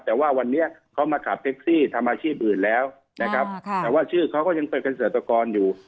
แต่ว่าวันนี้เขามาขับแท็กซี่ทำอาชีพอื่นแล้วนะครับแต่ว่าชื่อเขาก็ยังเป็นเกษตรกรอยู่